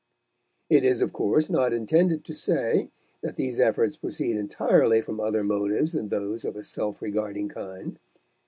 It is of course not intended to say that these efforts proceed entirely from other motives than those of a self regarding kind.